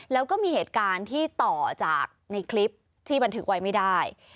แล้วก็มีเหตุการณ์ที่ต่อจากในคลิปที่บันทึกไว้ไม่ได้